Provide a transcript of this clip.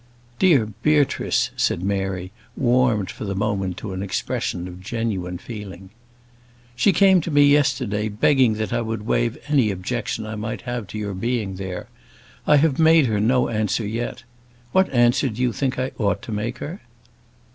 "Dear Beatrice!" said Mary, warmed for the moment to an expression of genuine feeling. "She came to me yesterday, begging that I would waive any objection I might have to your being there. I have made her no answer yet. What answer do you think I ought to make her?"